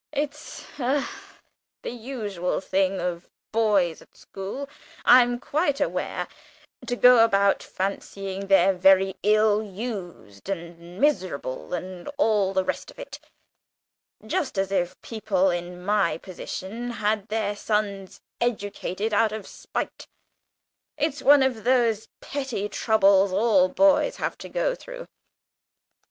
"It's ah the usual thing for boys at school, I'm quite aware, to go about fancying they're very ill used, and miserable, and all the rest of it, just as if people in my position had their sons educated out of spite! It's one of those petty troubles all boys have to go through.